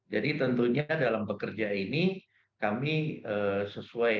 jadi tentunya dalam bekerja ini kami sesuai